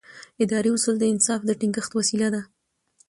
اداري اصول د انصاف د ټینګښت وسیله ده.